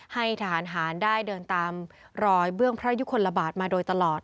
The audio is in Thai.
ให้ทหารหารได้เดินตามรอยเบื้องพระยุคลบาทมาโดยตลอด